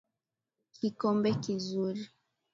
Kikombe kizuri.